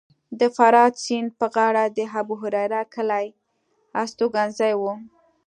د فرات سیند په غاړه د ابوهریره کلی هستوګنځی و